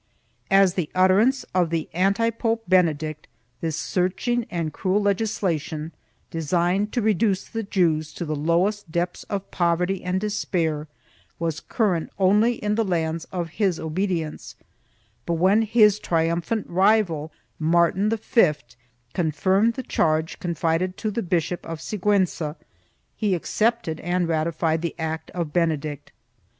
As the utterance of the Anti pope Benedict, this searching and cruel legislation, designed to reduce the Jews to the lowest depths of poverty and despair, was current only in the lands of his obedience, but when his triumph ant rival, Martin V, confirmed the charge confided to the Bishop of Sigiienza he accepted and ratified the act of Benedict.